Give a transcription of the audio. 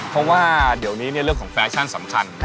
เพราะว่าเดี๋ยวนี้เรื่องของแฟชั่นสำคัญ